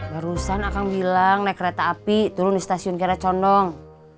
barusan akan bilang naik kereta api turun di stasiun kiara condong